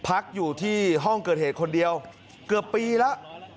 พักอยู่ที่ห้องเกิดเหตุคนเดียวเกือบปีแล้ว